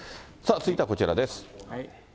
続いてはこちらです。